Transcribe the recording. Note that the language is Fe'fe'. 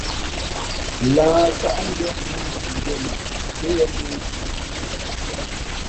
Lah sáʼndʉ̄ᾱ ghoo shundʉ̄ᾱ len tά yāā lēh.